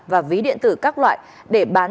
và ví điện tử các loại để bán